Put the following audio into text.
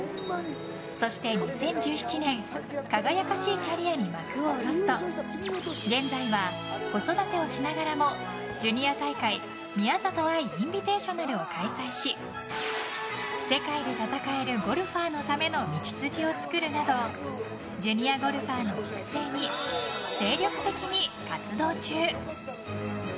そして２０１７年輝かしいキャリアに幕を下ろすと現在は子育てをしながらもジュニア大会宮里藍インビテーショナルを開催し世界で戦えるゴルファーのための道筋を作るなどジュニアゴルファーの育成に精力的に活動中！